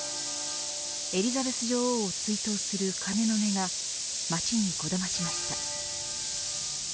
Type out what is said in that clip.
エリザベス女王を追悼する鐘の音が街にこだましました。